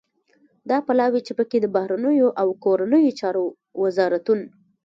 دا پلاوی چې پکې د بهرنیو او کورنیو چارو وزارتون